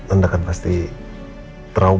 anda kan pasti trauma